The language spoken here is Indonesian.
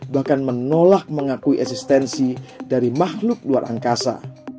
bahkan menolak mengakui eksistensi dari makhluk luar angkasa